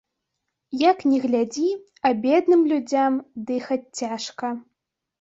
Як ні глядзі, а бедным людзям дыхаць цяжка.